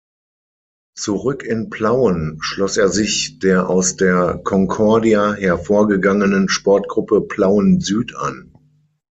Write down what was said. Zurück in Plauen, schloss er sich der aus der Konkordia hervorgegangenen Sportgruppe Plauen-Süd an.